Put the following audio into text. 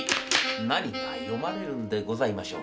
何が読まれるんでございましょうか。